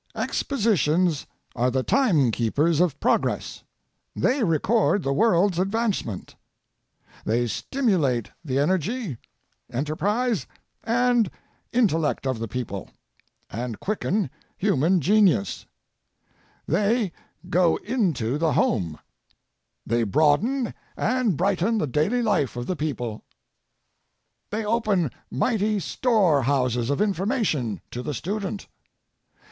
Expositions are the timekeepers of progress. They record the world's advancement. They stimulate the energy, enterprise, and intellect of the people, and quicken human genius. They go into the home. 3 4 Last Speech of William McKinley, They broaden and brighten the daily life of the people. They open might)' storehouses of information to the student.